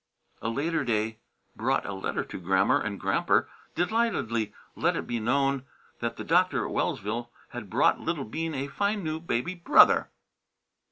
A later day brought a letter to Grammer, and Gramper delightedly let it be known that the doctor at Wellsville had brought little Bean a fine new baby brother.